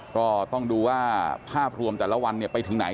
ก็ต้องดูว่าภาพรวมแต่ละวันไปถึงไหน